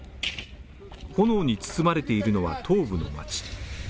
炎に包まれているのは東部の町。